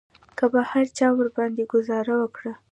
که به هر چا ورباندې ګوزار وکړ.